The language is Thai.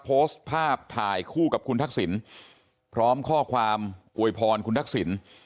โพสต์ภาพถ่ายคู่กับคุณทักษิณพร้อมข้อความอวยพรคุณทักษิณ